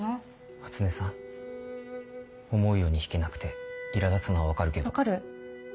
初音さん思うように弾けなくていら立つのは分かるけど。